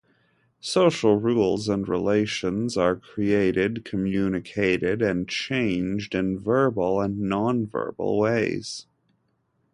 Social rules and relations are created, communicated, and changed in verbal and nonverbal ways.